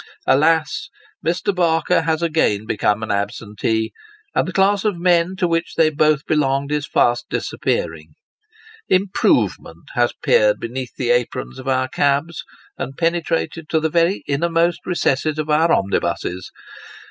Alas ! Mr. Barker has again become an absentee ; and the class of men to which they both belonged are fast disappearing. Improvement has peered beneath the aprons of our cabs, and penetrated to the very innermost recesses of our omnibuses.